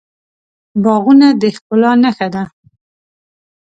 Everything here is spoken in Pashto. باغونه د ښکلا نښه ده.